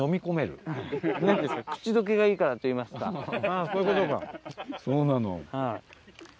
あぁそういうことか。